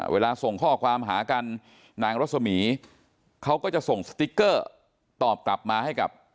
ส่งข้อความหากันนางรสมีเขาก็จะส่งสติ๊กเกอร์ตอบกลับมาให้กับ